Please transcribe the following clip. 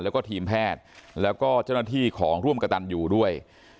แล้วก็ทีมแพทย์แล้วก็เจ้าหน้าที่ของร่วมกระตันอยู่ด้วย